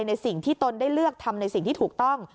ในสิ่งที่ตนได้เลือกทำในสิ่งที่ถูกต้อง